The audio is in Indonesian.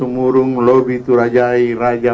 kurung rubit uraja raja